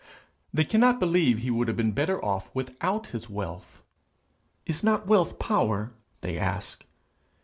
They cannot believe he would have been better off without his wealth. 'Is not wealth power?' they ask.